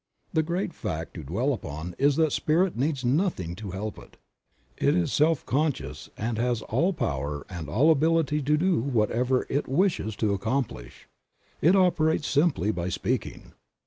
The great fact to dwell upon is that Spirit needs nothing to help It ; It is self conscious and has all power and all ability to do whatever It wishes to accomplish. It operates simply by speaking.